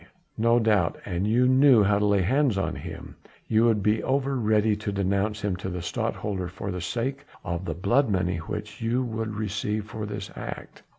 "No doubt, an you knew how to lay hands on him; you would be over ready to denounce him to the Stadtholder for the sake of the blood money which you would receive for this act."